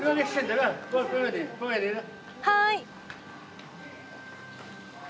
はい。